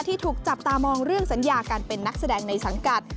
ที่ถูกจับตามองเรื่องสัญญาการเป็นนักแสดงในสังกัด